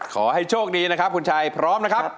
ขอให้โชคดีนะครับคุณชัยพร้อมนะครับ